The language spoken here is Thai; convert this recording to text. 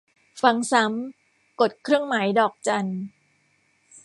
ฟังซ้ำ กดเครื่องหมายดอกจัน